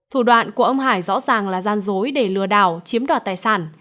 thủ đoạn của ông hải rõ ràng là gian dối để lừa đảo chiếm đoạt tài sản